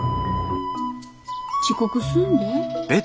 遅刻すんで。